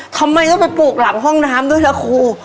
ทำไมต้องไปปลูกหลังห้องน้ำด้วยล่ะครู